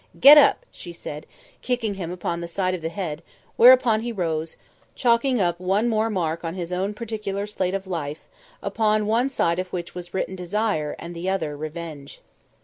"Get up," she said, kicking him upon the side of the head; whereupon he rose, chalking up one more mark on his own particular slate of Life, upon one side of which was written Desire and the other Revenge.